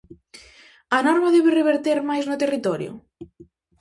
A norma debe reverter máis no territorio?